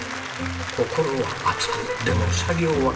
心は熱くでも作業はクールに。